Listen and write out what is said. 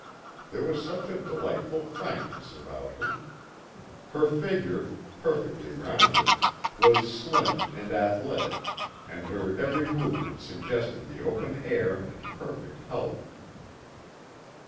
There was such a delightful frankness about her. Her figure, perfectly rounded, was slim and athletic, and her every movement suggested the open air and perfect health.